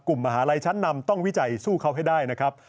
กลุ่มมหาวิทยาลัยชั้นนำต้องวิจัยสู้เข้าให้ได้นะครับ